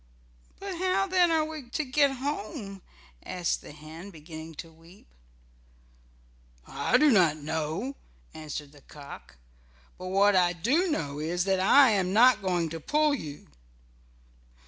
"But how then are we to get home?" asked the hen, beginning to weep. "I do not know," answered the cock. "But what I do know is that I am not going to pull you."